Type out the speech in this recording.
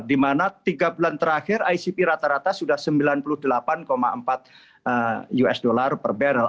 dimana tiga bulan terakhir icp rata rata sudah sembilan puluh delapan empat usd per barrel